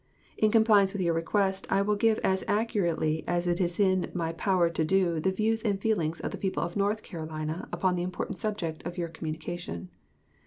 In compliance with your request, I will give as accurately as it is in my power to do the views and feelings of the people of North Carolina upon the important subject of your communication.